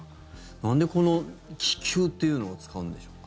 なんで、この気球というのを使うんでしょうか。